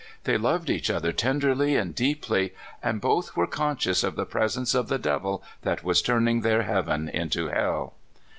They loved each other tenderly and deeply, and both were conscious of the presence of the devil that was turning their heaven into hell.